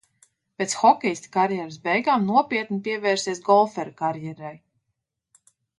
Pēc hokejista karjeras beigām nopietni pievērsies golfera karjerai.